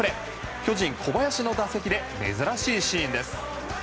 巨人、小林の打席で珍しいシーンです。